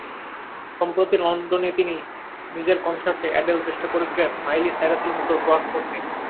সম্প্রতি লন্ডনে নিজের কনসার্টে অ্যাডেল চেষ্টা করেছিলেন মাইলি সাইরাসের মতো টোয়ার্ক করতে।